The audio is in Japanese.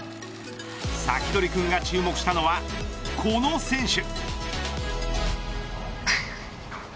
サキドリくんが注目したのはこの選手。